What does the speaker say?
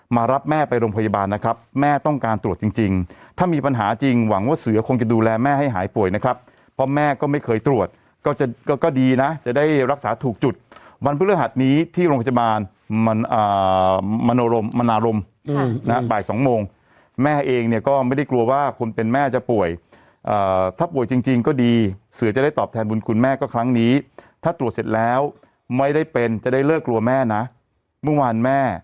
มารับแม่ไปโรงพยาบาลนะครับแม่ต้องการตรวจจริงถ้ามีปัญหาจริงหวังว่าเสือคงจะดูแลแม่ให้หายป่วยนะครับเพราะแม่ก็ไม่เคยตรวจก็จะก็ดีนะจะได้รักษาถูกจุดวันพฤหัสนี้ที่โรงพยาบาลมันอาลมบ่าย๒โมงแม่เองเนี่ยก็ไม่ได้กลัวว่าคนเป็นแม่จะป่วยถ้าป่วยจริงก็ดีเสือจะได้ตอบแทนบุญ